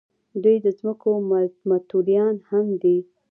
دوی د ځمکو متولیان هم دي.